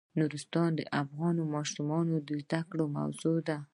نورستان د افغان ماشومانو د زده کړې موضوع ده.